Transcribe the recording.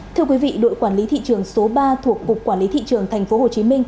thưa quý vị đội quản lý thị trường số ba thuộc cục quản lý thị trường tp hcm